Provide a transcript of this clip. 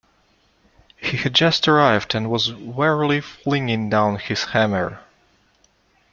He had just arrived, and was wearily flinging down his hammer.